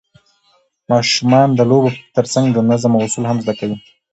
ماشومان د لوبو ترڅنګ د نظم اصول هم زده کوي